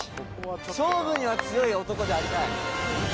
勝負には強い男でありたい。